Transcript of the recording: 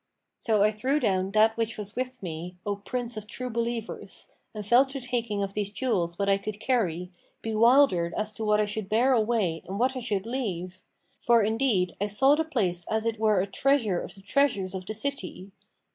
So I threw down that which was with me, O Prince of True Believers, and fell to taking of these jewels what I could carry, bewildered as to what I should bear away and what I should leave; for indeed I saw the place as it were a treasure of the treasures of the cities.